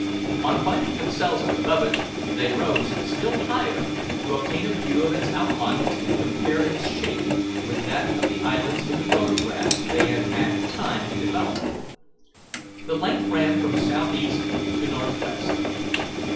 On finding themselves above it, they rose still higher to obtain a view of its outlines and compare its shape with that of the islands in the photographs they had had time to develop. The length ran from southeast to northwest.